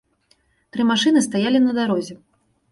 Тры машыны стаялі на дарозе.